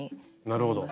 なるほど。